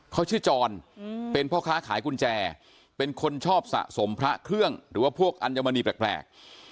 เขาชื่อจรเป็นพ่อค้าขายกุญแจเป็นคนชอบสะสมพระเครื่องหรือว่าพวกอัญมณีแปลก